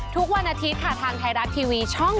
ทุกวันอาทิตย์ค่ะทางไทยรัฐทีวีช่อง๓